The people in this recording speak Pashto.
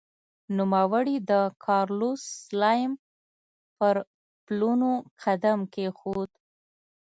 نوموړي د کارلوس سلایم پر پلونو قدم کېښود.